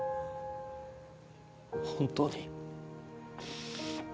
本当に